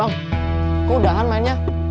bang kok udahan mainnya